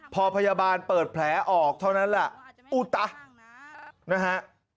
พอพยาบาลเปิดแผลออกเท่านั้นแหละอุตะนะฮะ